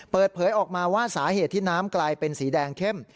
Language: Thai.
เปิดเผยออกมาว่าสาเหตุที่น้ำกลายเป็นสีแดงเข้ม